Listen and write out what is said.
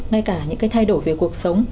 ngay cả những thay đổi về cuộc sống